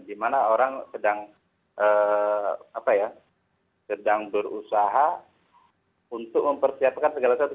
di mana orang sedang berusaha untuk mempersiapkan segala sesuatu